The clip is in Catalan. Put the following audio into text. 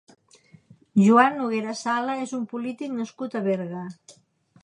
Juan Noguera Sala és un polític nascut a Berga.